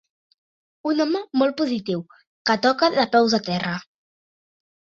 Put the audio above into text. Un home molt positiu, que toca de peus a terra.